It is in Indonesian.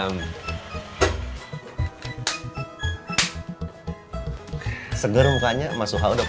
mau nambah ah